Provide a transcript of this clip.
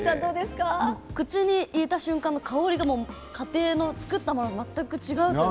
口に入れた瞬間の香りが家庭の作ったものと全く違う。